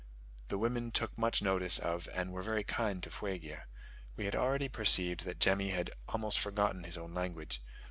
The women took much notice of and were very kind to Fuegia. We had already perceived that Jemmy had almost forgotten his own language.